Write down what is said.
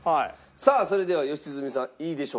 さあそれでは良純さんいいでしょうか？